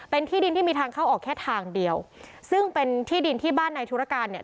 เป็นที่ดินที่มีทางเข้าออกแค่ทางเดียวซึ่งเป็นที่ดินที่บ้านในธุรการเนี่ย